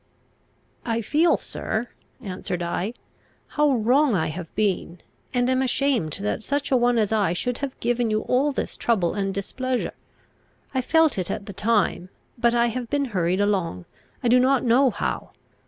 "I feel, sir," answered I, "how wrong I have been, and am ashamed that such a one as I should have given you all this trouble and displeasure. I felt it at the time; but I have been hurried along, I do not know how.